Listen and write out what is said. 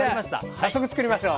早速つくりましょう。